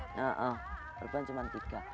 iya perempuan cuma tiga